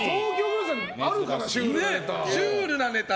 シュールなネタ。